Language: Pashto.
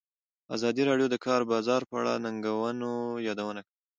ازادي راډیو د د کار بازار په اړه د ننګونو یادونه کړې.